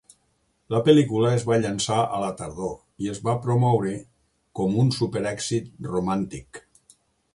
La pel·lícula es va llançar a la tardor, i es va promoure com a un superèxit romàntic.